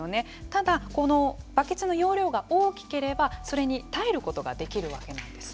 ただ、このバケツの容量が大きければそれに耐えることができるわけなんです。